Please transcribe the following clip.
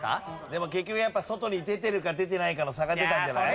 でも結局やっぱ外に出てるか出てないかの差が出たんじゃない？